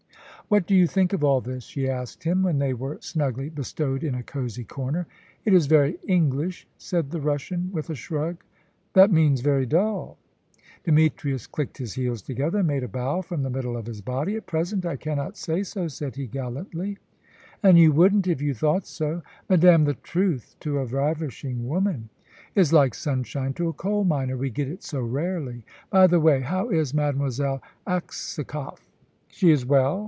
"What do you think of all this?" she asked him, when they were snugly bestowed in a cosy corner. "It is very English," said the Russian, with a shrug. "That means very dull!" Demetrius clicked his heels together and made a bow from the middle of his body. "At present I cannot say so," said he, gallantly. "And you wouldn't, if you thought so!" "Madam, the truth to a ravishing woman " "Is like sunshine to a coal miner: we get it so rarely. By the way, how is Mademoiselle Aksakoff?" "She is well."